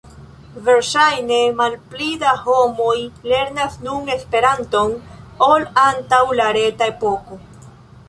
Verŝajne malpli da homoj lernas nun Esperanton ol antaŭ la reta epoko.